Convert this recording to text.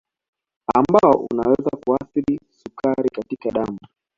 Ambao unaweza kuathiri sukari katika damu